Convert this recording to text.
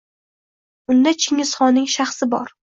Unda Chingizxonning shaxsi bor.